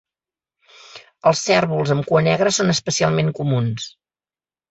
Els cérvols amb cua negra són especialment comuns.